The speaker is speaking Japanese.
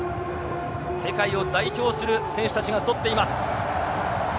世界を代表する選手たちが集っています。